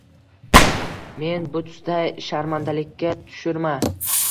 Meni butsday sharmandalikka tushirma!